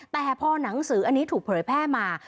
แต่พอหนังสืออันนี้ถูกเผยแพร่มา